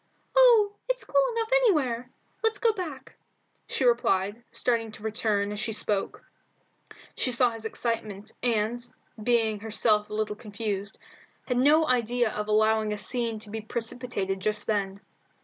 "Oh, it's cool enough anywhere! Let's go back," she replied, starting to return as she spoke. She saw his excitement, and, being herself a little confused, had no idea of allowing a scene to be precipitated just then.